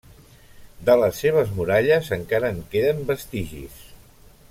De les seves muralles encara en queden vestigis.